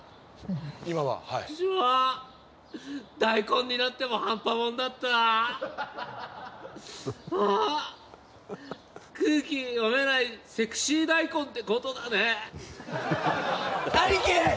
今ははいチクショー大根になっても半端もんだったはあ空気読めないセクシー大根ってことだね兄貴